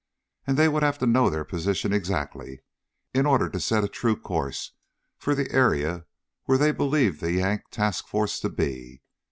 And they would have to know their position exactly in order to set a true course for the area where they believed the Yank task force to be.